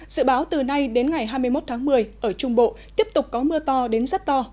dự báo từ nay đến ngày hai mươi một tháng một mươi ở trung bộ tiếp tục có mưa to đến rất to